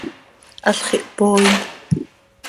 Halx ihpooin.